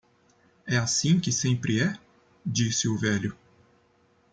"É assim que sempre é?" disse o velho.